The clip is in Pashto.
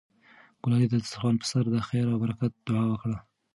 ګلالۍ د دسترخوان په سر د خیر او برکت دعا وکړه.